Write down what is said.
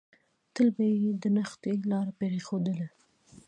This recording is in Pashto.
تل به يې د نښتې لاره پرېښودله.